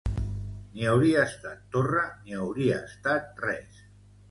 ...ni hauria estat torra ni hauria estat res.